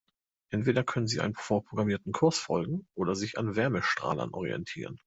Entweder können sie einem vorprogrammierten Kurs folgen oder sich an Wärmestrahlern orientieren.